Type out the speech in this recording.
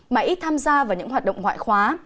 mà ít tham gia vào những hoạt động ngoại khóa